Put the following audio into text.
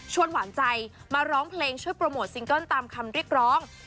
หวานใจมาร้องเพลงช่วยโปรโมทซิงเกิ้ลตามคำเรียกร้อง